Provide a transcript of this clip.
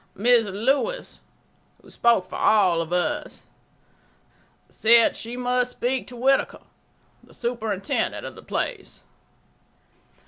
Mrs. Lewis, who spoke for all of us, ... said she must speak to Whittaker, the superintendent of the place.